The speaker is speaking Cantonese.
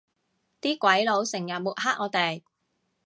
啲鬼佬成日抹黑我哋